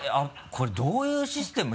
これどういうシステム？